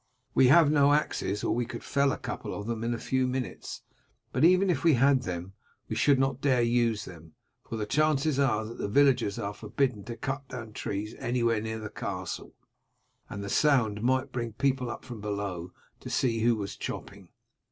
We have no axes or we could fell a couple of them in a few minutes; but even if we had them, we should not dare use them, for the chances are that the villagers are forbidden to cut down trees anywhere near the castle, and the sound might bring people up from below to see who was chopping.